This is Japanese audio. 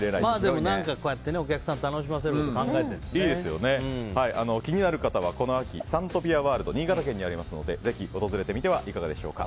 でも、こうやってお客さん楽しませるの気になる方サントピアワールドは新潟県にありますので訪れてみてはいかがでしょうか。